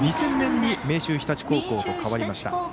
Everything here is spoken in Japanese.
２０００年に明秀日立高校と変わりました。